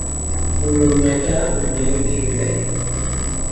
মূল অন্যায়টা অন্যায়ই থেকে যায়।